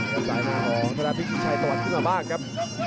แล้วสายหน้าของธรรมดาบิ๊กชุดชัยต่อขึ้นมาบ้างครับ